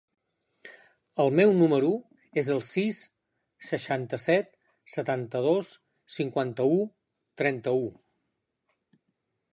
El meu número es el sis, seixanta-set, setanta-dos, cinquanta-u, trenta-u.